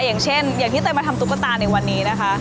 อย่างเช่นอย่างที่เตยมาทำตุ๊กตาในวันนี้นะคะ